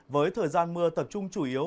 với thời gian mưa tập trung chủ yếu